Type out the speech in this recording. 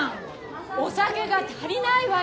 お酒が足りないわよ！